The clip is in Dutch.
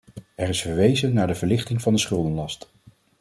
Er is verwezen naar de verlichting van de schuldenlast.